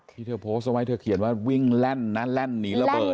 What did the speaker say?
ที่เธอโพสต์เอาไว้เธอเขียนว่าวิ่งแล่นนะแล่นหนีระเบิด